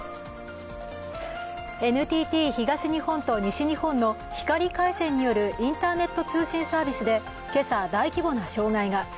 ＮＴＴ東日本と西日本の光回線によるインターネット通信サービスで今朝、大規模な障害が。